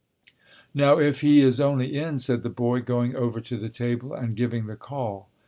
"Now if he is only in," said the boy, going over to the table and giving the call.